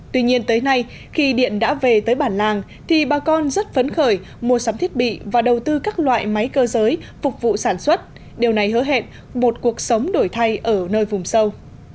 tuy nhiên tới nay khi điện đã về tới bản làng thì bà con rất phấn khởi mua sắm thiết bị và đầu tư các loại máy cơ giới phục vụ sản xuất điều này hứa hẹn một cuộc sống đổi thay ở nơi vùng sâu